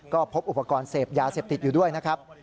ก็พบอุปกรณ์เสพยาเสพติดอยู่ด้วยนะครับ